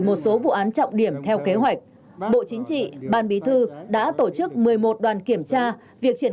một số vụ án trọng điểm theo kế hoạch bộ chính trị ban bí thư đã tổ chức một mươi một đoàn kiểm tra việc triển